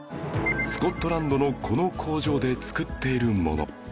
スコットランドのこの工場で作っているもの